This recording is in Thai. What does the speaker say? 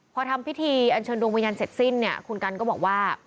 พอทำพิธีอันเชิญดวงวิญญาณเสร็จสิ้นเนี่ยคุณกันก็บอกว่า